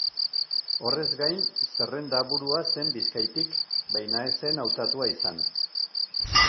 Horrez gain, zerrendaburua zen Bizkaitik baina ez zen hautatua izan.